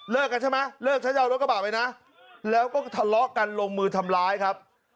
กันใช่ไหมเลิกฉันจะเอารถกระบะไปนะแล้วก็ทะเลาะกันลงมือทำร้ายครับ